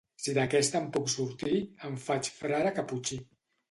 Si d'aquesta en puc sortir, em faig frare caputxí.